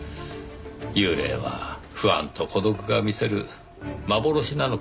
幽霊は不安と孤独が見せる幻なのかもしれませんねぇ。